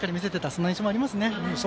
そんな印象もありますね。